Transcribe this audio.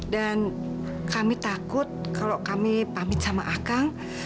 dan kami takut kalau kami pamit sama akang